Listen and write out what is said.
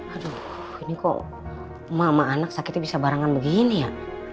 aduh ini kok emak emak anak sakitnya bisa barangan begini ya